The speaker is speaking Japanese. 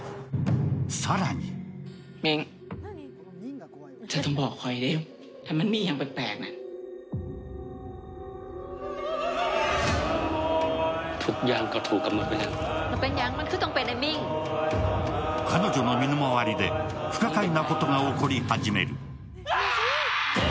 更に彼女の身の回りで不可解なことが起こり始める。